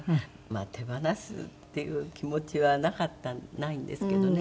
手放すっていう気持ちはなかったないんですけどね